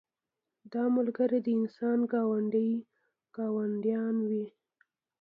دا ملګري د انسان ګاونډیان وي.